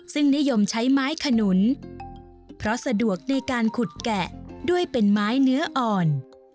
ซึ่งนิยมใช้ไม้ขนุนเพราะสะดวกในการขุดแกะด้วยเป็นไม้เนื้ออ่อน